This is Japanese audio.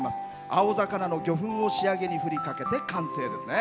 青魚の魚粉を仕上げに振りかけて完成ですね。